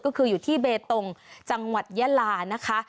ก็คืออยู่ที่เบตงจังหวัดยาลานะคะ